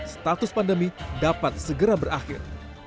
status pandemi dapat segera berakhir